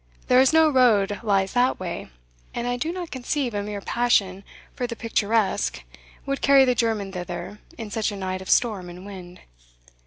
There is no road lies that way, and I do not conceive a mere passion for the picturesque would carry the German thither in such a night of storm and wind.